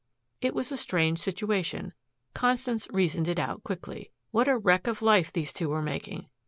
It was a strange situation. Constance reasoned it out quickly. What a wreck of life these two were making!